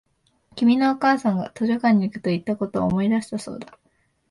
君のお母さんが図書館に行くと言ったことを思い出したそうだ